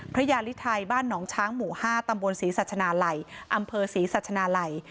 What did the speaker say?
พระยาลิไทยบ้านหนองช้างหมู่๕ตำบลศรีสัชนาลัยอำเภอศรีสัชนาลัย